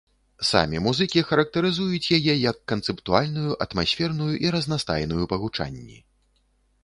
Самі музыкі характарызуюць яе як канцэптуальную, атмасферную і разнастайную па гучанні.